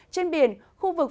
trên biển khu vực phía bắc cụt